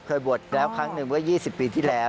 เคยบวชแล้วครั้งหนึ่งก็๒๐ปีที่แล้ว